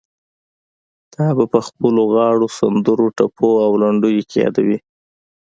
تا به په خپلو غاړو، سندرو، ټپو او لنډيو کې يادوي.